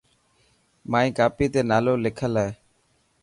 مائي ڪاپي تي نالو لکل هي.